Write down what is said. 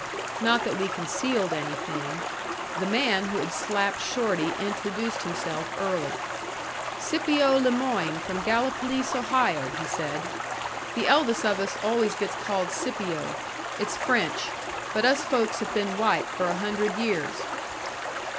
Not that we concealed anything. The man who had slapped Shorty introduced himself early. "Scipio le Moyne, from Gallipolice, Ohio," he said. "The eldest of us always gets called Scipio. It's French. But us folks have been white for a hundred years."